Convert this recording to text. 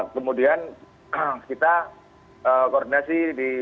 kemudian kita koordinasi di